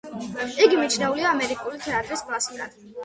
იგი მიჩნეულია ამერიკული თეატრის კლასიკად.